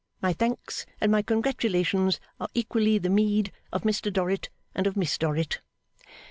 My thanks, and my congratulations, are equally the meed of Mr Dorrit and of Miss Dorrit.